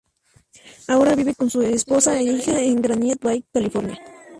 Ahora vive con su esposa e hija en Granite Bay, California.